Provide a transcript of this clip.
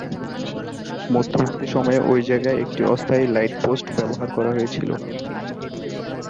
মধ্যবর্তী সময়ে ঐ জায়গায় একটি অস্থায়ী লাইট পোস্ট ব্যবহার করা হয়েছিলো।